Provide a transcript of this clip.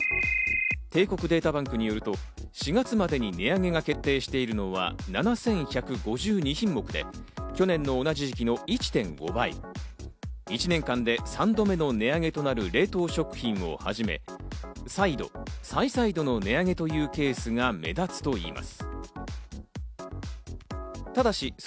帝国データバンクによると、４月までに値上げが決定しているのは７１５２品目で、去年の同じ時期の１．５倍、１年間で３度目の値上げとなる冷凍食品をはじめ、再度・再々度の値上げというケースが目立つといいます。